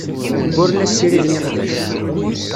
Ur la ssiriden iqbac.